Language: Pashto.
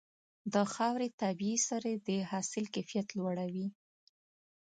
د خاورې طبيعي سرې د حاصل کیفیت لوړوي.